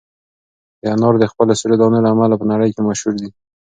دا انار د خپلو سرو دانو له امله په نړۍ کې مشهور دي.